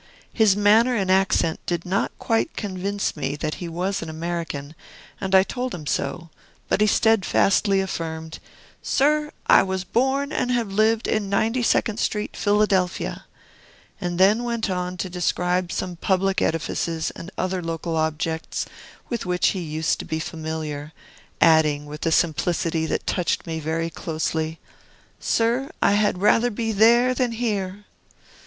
His manner and accent did not quite convince me that he was an American, and I told him so; but he steadfastly affirmed, "Sir, I was born and have lived in Ninety second Street, Philadelphia," and then went on to describe some public edifices and other local objects with which he used to be familiar, adding, with a simplicity that touched me very closely, "Sir, I had rather be there than here!"